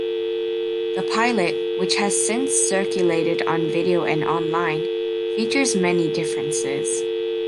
The pilot, which has since circulated on video and online, features many differences.